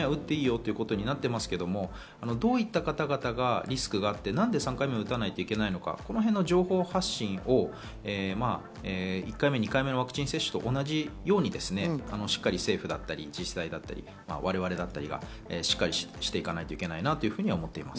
今、誰でも３回目を打っていいよということになっていますけど、どういった方々がリスクがあって、何で３回目を打たなきゃいけないのかという情報発信を１回目、２回目のワクチン接種と同じようにしっかり政府や自治体、我々だったりがしっかりしていかないといけないなと思っています。